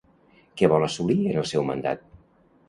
Què vol assolir en el seu mandat?